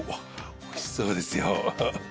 美味しそうですよ。